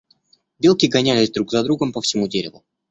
Белки гонялись друг за другом по всему дереву.